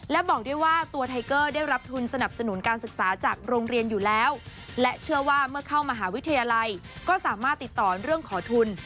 และบอกด้วยว่าตัวไทเกอร์ได้รับทุนสนับสนุนการศึกษาจากโรงเรียนอยู่แล้วและเชื่อว่าเมื่อเข้ามหาวิทยาลัยก็สามารถติดต่อเรื่องขอทุน